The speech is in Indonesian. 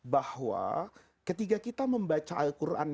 bahwa ketika kita membaca al quran